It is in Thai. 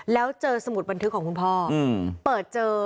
แล้วเจอสมุดบันทึกของคุณพ่อเปิดเจอ